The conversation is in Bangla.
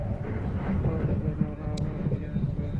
আপনাদের কারণে ওরা আবার ফিরে আসবে।